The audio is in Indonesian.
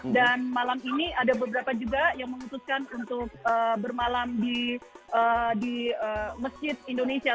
dan malam ini ada beberapa juga yang memutuskan untuk bermalam di masjid indonesia